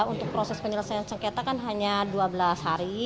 untuk proses penyelesaian sengketa kan hanya dua belas hari